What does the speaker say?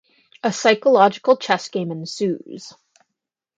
A psychological chess game ensues.